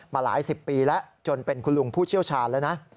มาหลายสิบปีแล้วจนเป็นคุณลุงผู้เชี่ยวชาญแล้วนะ